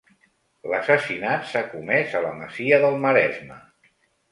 L'assassinat s'ha comés a la masia del Maresme.